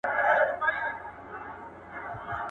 • چرسي زوى، نه زوى، تارياکي ، دوه په ايکي.